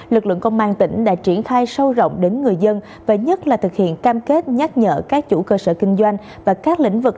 lực lượng công an tỉnh đã triển khai sâu rộng đến người dân và nhất là thực hiện cam kết nhắc nhở các chủ cơ sở kinh doanh